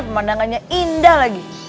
pemandangannya indah lagi